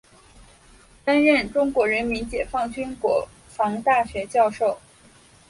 担任中国人民解放军国防大学教授。